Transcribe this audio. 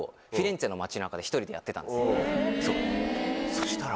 そしたら。